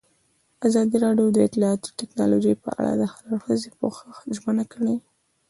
ازادي راډیو د اطلاعاتی تکنالوژي په اړه د هر اړخیز پوښښ ژمنه کړې.